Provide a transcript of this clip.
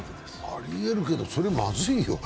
ありえるけど、それまずいよ。